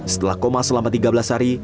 setelah koma selama tiga belas hari